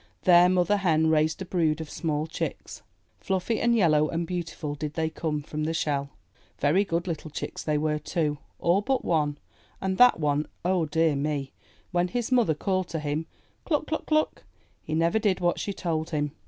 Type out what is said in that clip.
There Mother Hen raised a brood of small chicks. Fluffy and yellow and beautiful did they come from the shell. Very good little chicks they were, too — all but one, and that one — Oh, dear me! When his mother called to him, ''Cluck! Cluck! Cluck!" he never did what she told him.